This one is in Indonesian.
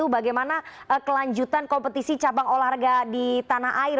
bagaimana kelanjutan kompetisi cabang olahraga di tanah air